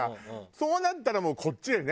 そうなったらもうこっちでね。